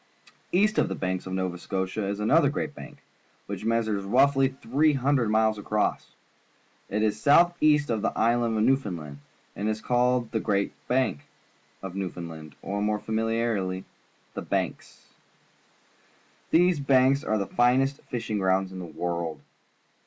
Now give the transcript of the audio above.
East of the banks of Nova Scotia is another great bank, which measures roughly 300 miles across. It is south east of the island of Newfoundland, and so is called the Grand Bank of New foundland, or more familiarly, "The Banks." These banks are the finest fishing grounds in the world.